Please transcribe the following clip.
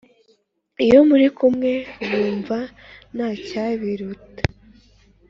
iyo muri kumwe wumva ntacyabiruta."